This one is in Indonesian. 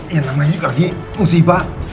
ya namanya juga di musibah